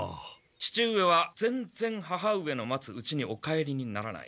父上はぜんぜん母上の待つうちにお帰りにならない。